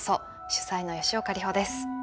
主宰の吉岡里帆です。